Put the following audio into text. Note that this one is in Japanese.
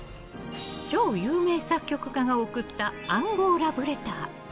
超有名作曲家が送った暗号ラブレター。